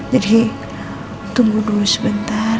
jadi tunggu dulu sebentar